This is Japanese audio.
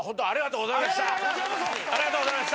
ありがとうございます。